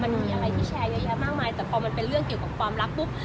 มันมีอะไรที่แชร์เยอะแยะมากมายแต่พอมันเป็นเรื่องเกี่ยวกับความรักปุ๊บ